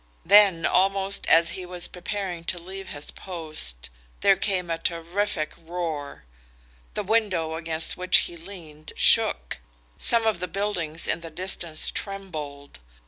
Then, almost as he was preparing to leave his post, there came a terrific roar. The window against which he leaned shook. Some of the buildings in the distance trembled.